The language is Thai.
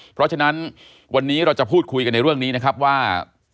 เพราะฉะนั้นวันนี้เราจะพูดคุยกันในเรื่องนี้นะครับว่า